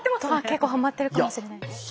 結構ハマってるかもしれないです。